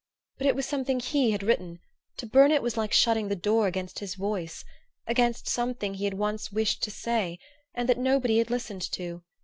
But it was something he had written; to burn it was like shutting the door against his voice against something he had once wished to say, and that nobody had listened to.